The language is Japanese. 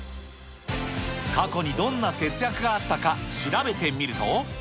過去にどんな節約があったか、調べてみると。